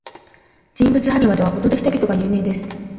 人物埴輪では、踊る人々が有名です。